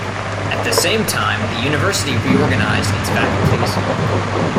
At the same time, the university reorganized its faculties.